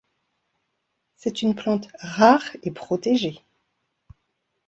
C'est une plante rare et protégée.